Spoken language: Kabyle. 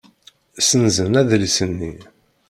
Ssenzen adlis-nni.